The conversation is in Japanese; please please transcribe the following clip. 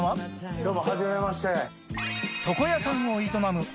どうもはじめまして。